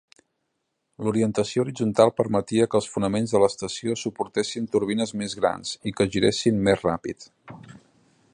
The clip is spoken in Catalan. L'orientació horitzontal permetia que els fonaments de l'estació suportessin turbines més grans i que girassin més ràpid.